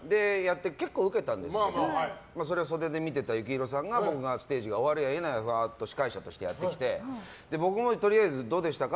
結構ウケたんですけどそれを袖で見てた幸宏さんがステージが終わるや否や司会者としてやってきて僕もとりあえずどうでしたか？